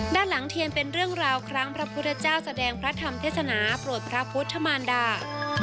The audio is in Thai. ด้านหลังเทียนเป็นเรื่องราวครั้งพระพุทธเจ้าแสดงพระธรรมเทศนาโปรดพระพุทธมารดา